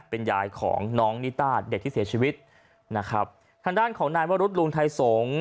เป็นยายของน้องนิต้าเด็กที่เสียชีวิตนะครับทางด้านของนายวรุษลุงไทยสงฆ์